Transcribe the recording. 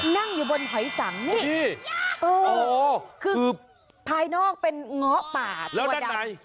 นั่งอยู่บนหอยสังนี่คือภายนอกเป็นเงาะป่าตัวดำ